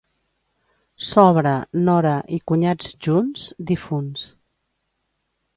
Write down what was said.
Sobra, nora i cunyats junts, difunts.